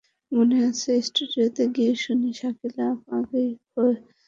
মনে আছে, স্টুডিওতে গিয়ে শুনি, শাকিলা আপা আগেই ভয়েস দিয়ে গেছেন।